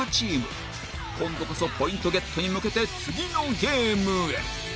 今度こそポイントゲットに向けて次のゲームへ！